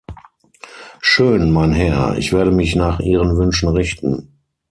Schön, mein Herr, ich werde mich nach ihren Wünschen richten.